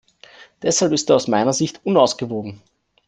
Deshalb ist er aus meiner Sicht unausgewogen.